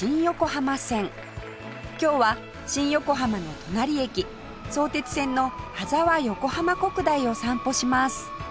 今日は新横浜の隣駅相鉄線の羽沢横浜国大を散歩します